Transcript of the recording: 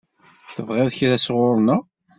Tebɣiḍ kra sɣur-neɣ?